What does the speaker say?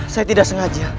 saya tidak sengaja